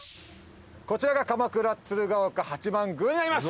こちらが鎌倉鶴岡八幡宮になります。